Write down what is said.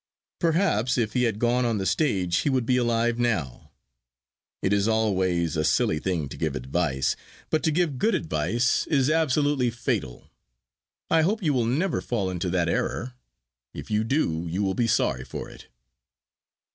Perhaps if he had gone on the stage he would be alive now. It is always a silly thing to give advice, but to give good advice is absolutely fatal. I hope you will never fall into that error. If you do, you will be sorry for it.